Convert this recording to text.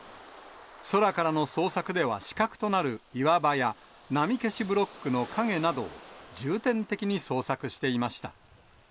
空からの捜索では死角となる岩場や波消しブロックの陰などを重点的に捜索していました。